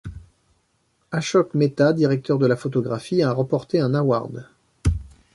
Ashok Mehta, directeur de la photographie, a remporté un Award.